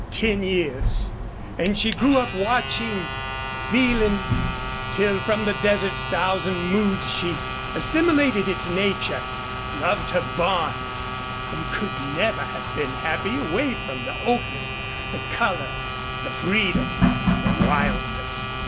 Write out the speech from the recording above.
Ten years and she grew up watching, feeling till from the desert's thousand moods she assimilated its nature, loved her bonds, and could never have been happy away from the open, the color, the freedom, the wildness.